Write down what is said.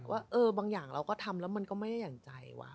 ว่าเออบางอย่างเราก็ทำแล้วมันก็ไม่ได้อย่างใจว่ะ